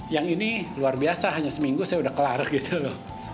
yang ini luar biasa hanya seminggu saya udah kelar gitu loh